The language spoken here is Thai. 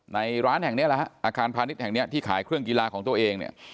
ในร้านแห่งเนี้ยแหละฮะอาคารพาณิชย์แห่งนี้ที่ขายเครื่องกีฬาของตัวเองเนี่ย